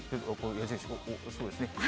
矢印、そうですね。